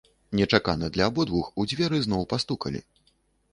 Нечакана для абодвух у дзверы зноў пастукалі.